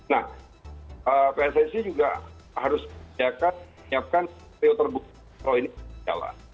nah pssi juga harus siapkan siapkan kalau ini jalan